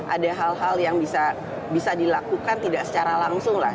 ada hal hal yang bisa dilakukan tidak secara langsung lah